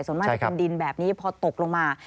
ส่วนมากจะเป็นดินแบบนี้พอตกลงมา